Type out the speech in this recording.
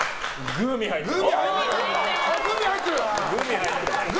グミ入ってるって！